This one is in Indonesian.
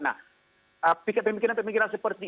nah pikiran pemikiran pemikiran seperti